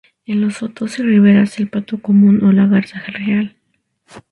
En los sotos y riberas, el pato común o la garza real.